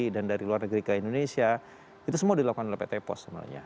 dan dari luar negeri ke indonesia itu semua dilakukan oleh pt post sebenarnya